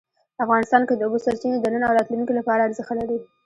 افغانستان کې د اوبو سرچینې د نن او راتلونکي لپاره ارزښت لري.